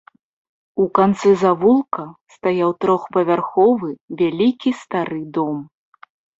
У канцы завулка стаяў трохпавярховы вялікі стары дом.